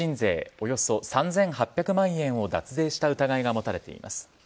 およそ３８００万円を脱税した疑いが持たれています。